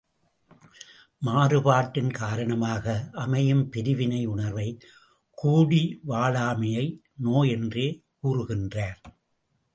மாறுபாட்டின் காரணமாக அமையும் பிரிவினை உணர்வை கூடிவாழாமையை நோய் என்றே கூறுகின்றார்.